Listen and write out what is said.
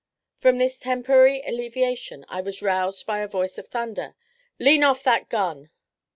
From this temporary alleviation, I was roused by a voice of thunder, "Lean off that gun."